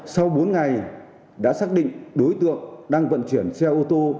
sau bốn ngày đã xác định đối tượng đang vận chuyển xe ô tô